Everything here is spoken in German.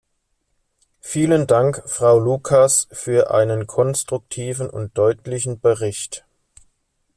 Vielen Dank, Frau Lucas, für einen konstruktiven und deutlichen Bericht.